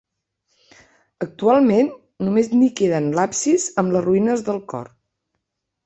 Actualment només n'hi queden l'absis amb les ruïnes del cor.